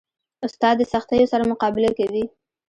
استاد د سختیو سره مقابله کوي.